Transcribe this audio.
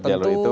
masuk jalur itu